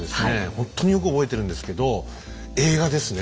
ほんとによく覚えてるんですけど映画ですね